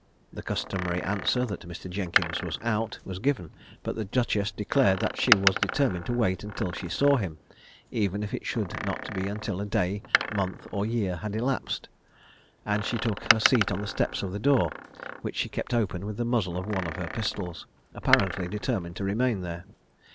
The customary answer, that Mr. Jenkins was out, was given; but the duchess declared that she was determined to wait until she saw him, even if it should not be until a day, month, or year, had elapsed; and she took her seat on the steps of the door, which she kept open with the muzzle of one of her pistols, apparently determined to remain there.